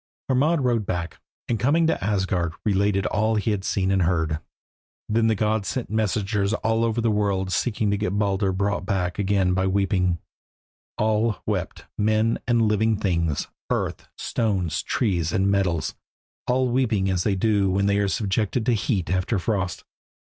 Hermod rode back, and coming to Asgard related all he had seen and heard. Then the gods sent messengers over all the world seeking to get Baldur brought back again by weeping. All wept, men and living things, earth, stones, trees, and metals, all weeping as they do when they are subjected to heat after frost.